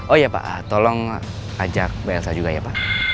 oh iya pak tolong ajak blsa juga ya pak